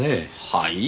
はい？